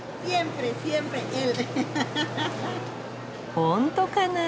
本当かなぁ？